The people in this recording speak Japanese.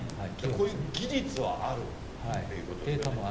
こういう技術はあるということですよね。